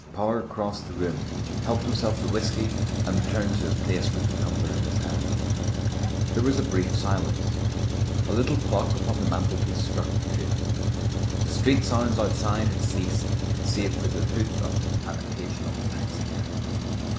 Power crossed the room, helped himself to whisky, and returned to his place with the tumbler in his hand. There was a brief silence. A little clock upon the mantelpiece struck two. The street sounds outside had ceased save for the hoot of an occasional taxicab.